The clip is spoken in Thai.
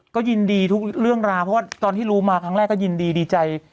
ก็ยินดีทุกเรื่องราวเพราะว่าตอนที่รู้มาครั้งแรกก็ยินดีดีใจ